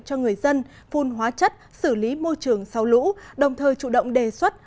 cho người dân phun hóa chất xử lý môi trường sau lũ đồng thời chủ động đề xuất